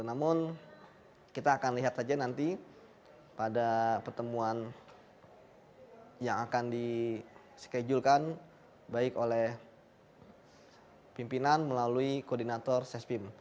namun kita akan lihat saja nanti pada pertemuan yang akan dischedulekan baik oleh pimpinan melalui koordinator sespim